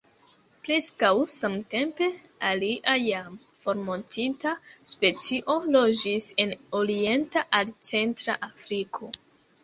Preskaŭ samtempe, alia jam formortinta specio loĝis en orienta al centra Afriko.